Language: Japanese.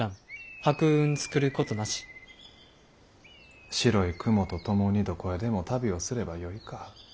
白い雲と共にどこへでも旅をすればよいか。